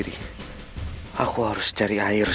apakah kau ingin mengambil air